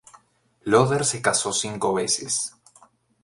Loder se casó cinco veces.